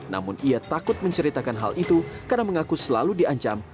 namun ia takut menceritakan hal itu karena mengaku selalu diancam